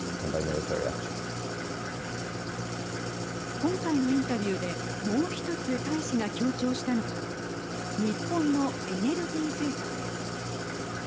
今回のインタビューでもう１つ大使が強調したのは日本のエネルギー政策です。